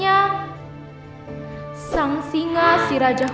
mas kamu dimana sih mas